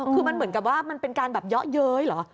คือมันเหมือนกับว่ามันเป็นการแบบเยาะเย้ยเหรอ